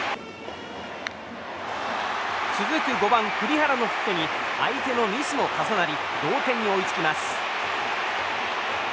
続く５番、栗原のヒットに相手のミスも重なり同点に追いつきます。